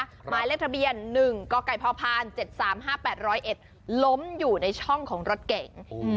หมายเลขทะเบียนหนึ่งกไก่พ่อพานเจ็ดสามห้าแปดร้อยเอ็ดล้มอยู่ในช่องของรถแก๋งอืม